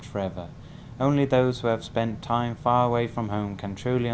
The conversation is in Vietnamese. gọi người giám đốc của hà tây